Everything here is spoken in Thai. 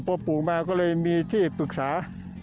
พอปู่มาก็เลยมีที่ปรึกษา